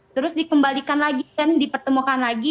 terus dikembalikan lagi dan dipertemukan lagi